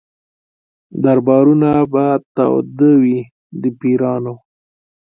دربارونه به تاوده وي د پیرانو